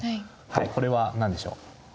これは何でしょう？